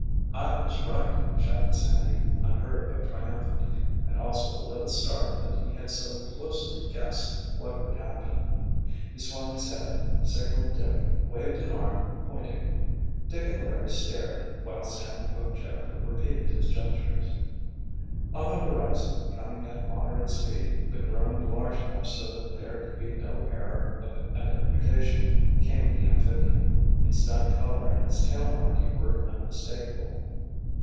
"I was right!" shouted Sandy, unheard but triumphant—and also a little startled that he had so closely guessed what would happen. He swung his head, signaled Dick, waved an arm, pointing. Dick and Larry stared, while Sandy poked Jeff and repeated his gestures. On the horizon, coming at moderate speed, but growing large enough so that there could be no error of identification, came the amphibian. Its dun color and its tail marking were unmistakable.